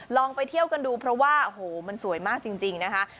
ลองไปเที่ยวกันดูเพราะว่าโอ้โหมันสวยมากจริงนะคะ